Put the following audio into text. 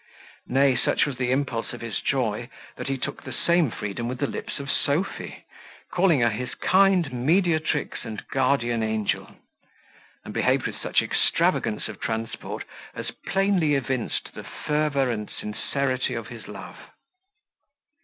Nay, such was the impulse of his joy, that he took the same freedom with the lips of Sophy, calling her his kind mediatrix and guardian angel; and behaved with such extravagance of transport, as plainly evinced the fervour and sincerity of his love.